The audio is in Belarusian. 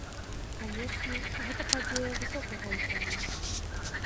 Канечне, гэта падзея высокага ўзроўню.